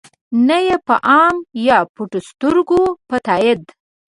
نه ېې په عام یا پټو سترګو په تایید.